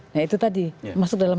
nah itu tadi masuk dalam